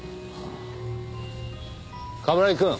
冠城くん！